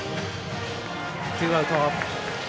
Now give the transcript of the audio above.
ツーアウト。